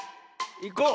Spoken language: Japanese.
いこう。